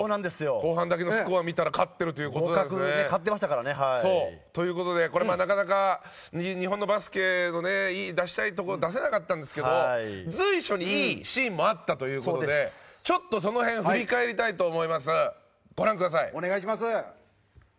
後半だけのスコアを見たら勝ってるということなんですね。ということで、なかなか日本のバスケのいいところを出せなかったんですけど随所にいいシーンもあったということでその辺を振り返りたいと思います、ご覧ください。